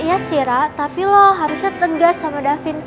iya sih rara tapi lo harusnya tenggas sama davin